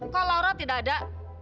kok laura tidak ada